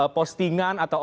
oleh postingan atau memulai